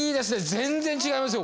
全然違いますよ